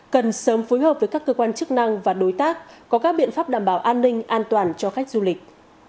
cần sớm phối hợp với các cơ quan chức năng và đối tác có các biện pháp đảm bảo an ninh an toàn cho khách du lịch